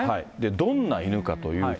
どんな犬かというと。